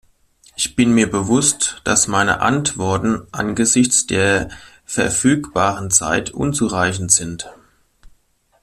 Ich bin mir bewusst, dass meine Antworten angesichts der verfügbaren Zeit unzureichend sind.